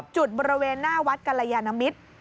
จุดบริเวณหน้าวัดกรยานมิตร